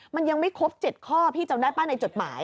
มันยังไม่ครบ๗ข้อพี่จำได้ป่ะในจดหมาย